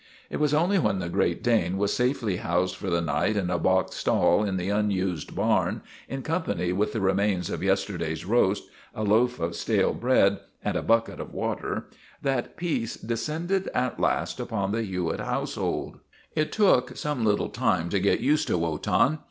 It was only when the Great Dane was safely housed for the night in a box stall in the unused barn, in company with the remains of yesterday's roast, a loaf of stale bread, and a bucket of water, that peace descended at last upon the Hewitt household. It took some little time to get used to Wotan.